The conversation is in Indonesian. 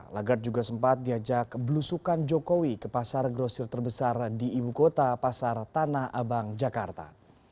lagarde juga sempat diajak belusukan jokowi ke pasar grosir terbesar di ibu kota pasar tanah abang jakarta